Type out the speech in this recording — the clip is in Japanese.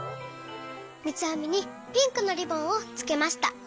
みつあみにピンクのリボンをつけました。